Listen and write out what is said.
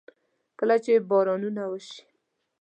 کله چې بارانونه وشي.